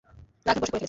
রাগের বশে করে ফেলেছি।